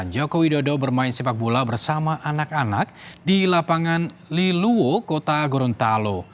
joko widodo bermain sepak bola bersama anak anak di lapangan liluwo kota gorontalo